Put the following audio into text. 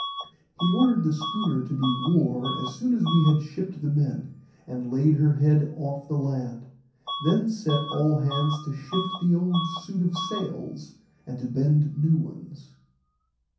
He ordered the schooner to be wore as soon as we had shipped the men, and laid her head off the land, then set all hands to shift the old suit of sails, and to bend new ones.